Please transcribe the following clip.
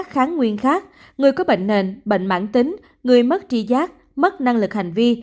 kháng nguyên khác người có bệnh nền bệnh mãn tính người mất tri giác mất năng lực hành vi